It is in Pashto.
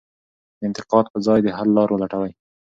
د انتقاد په ځای د حل لار ولټوئ.